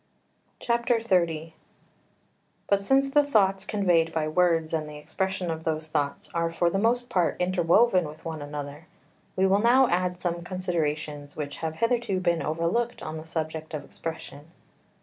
XXX But since the thoughts conveyed by words and the expression of those thoughts are for the most part interwoven with one another, we will now add some considerations which have hitherto been overlooked on the subject of expression.